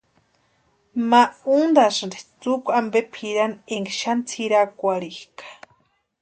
Ma untasïnti tsukwa ampe pʼirani énka xani tsʼirakwarhikʼa.